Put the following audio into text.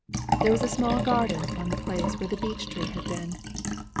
There was a small garden on the place where the beech tree had been.